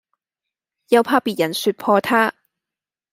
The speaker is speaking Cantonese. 又怕別人説破他，